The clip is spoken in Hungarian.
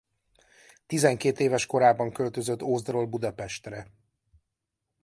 Tizenkét éves korában költözött Ózdról Budapestre.